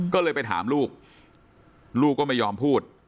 ก็เลยไปถามลูกลูกก็ไม่ยอมพูด